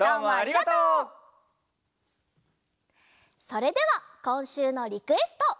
それではこんしゅうのリクエスト！